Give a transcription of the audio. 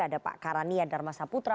ada pak karania dharma saputra